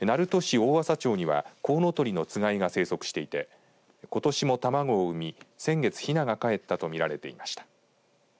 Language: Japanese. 大麻町にはこうのとりのつがいが生息していてことしも卵を産み先月ひながかえったと見られていました。